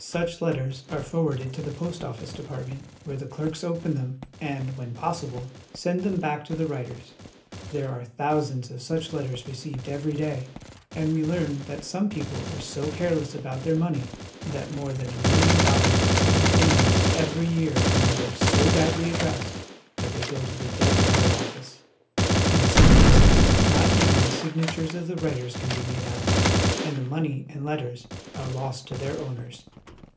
Such letters are forwarded to the Post Office Department, where the clerks open them and, when possible, send them back to the writers. There are thousands of such letters received every day ; and we learn that some people are so careless about their money that more than a million dollars is put into the mails every year in letters so badly ad dressed that they go to the dead letter office. In some cases not even the signatures of the writers can be made out, and the money and letters are lost to their owners.